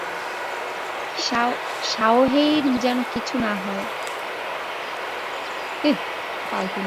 শাওহেইয়ের যেন কিছু না হয়।